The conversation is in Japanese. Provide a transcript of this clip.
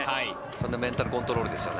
メンタルコントロールですね。